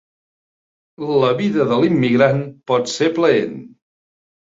La vida de l'immigrant pot ser plaent.